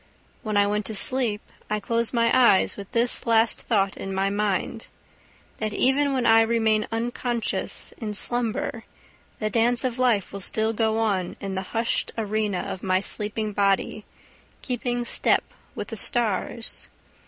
When I went to sleep I closed my eyes with this last thought in my mind, that even when I remain unconscious in slumber the dance of life will still go on in the hushed arena of my sleeping body, keeping step with the stars.